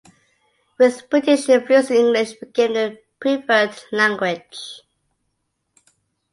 With British influence, English became the preferred language.